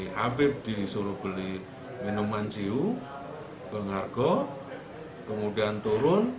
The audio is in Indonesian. kabeb disuruh beli minuman siu penghargo kemudian turun